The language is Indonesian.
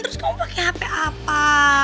terus kamu pakai hp apa